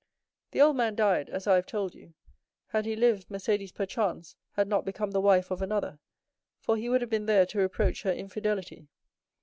"The old man died, as I have told you; had he lived, Mercédès, perchance, had not become the wife of another, for he would have been there to reproach her infidelity.